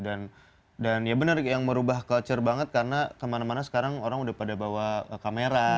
dan ya benar yang merubah culture banget karena kemana mana sekarang orang udah pada bawa kamera